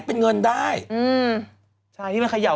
คุณหมอโดนกระช่าคุณหมอโดนกระช่า